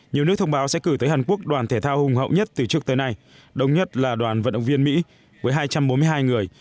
nhiều nước thông báo sẽ cử tới hàn quốc đoàn thể thao hùng hậu nhất từ trước tới nay đông nhất là đoàn vận động viên mỹ với hai trăm bốn mươi hai người